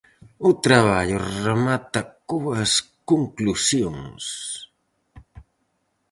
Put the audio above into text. O traballo remata coas conclusións.